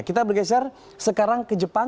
kita bergeser sekarang ke jepang